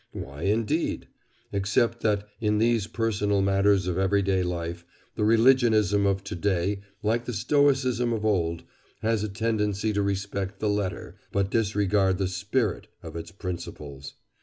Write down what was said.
Why indeed! except that, in these personal matters of every day life, the religionism of to day, like the stoicism of old, has a tendency to respect the letter, but disregard the spirit of its principles.